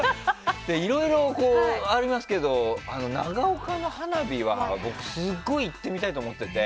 いろいろありますけど長岡の花火は僕すごい行ってみたいと思ってて。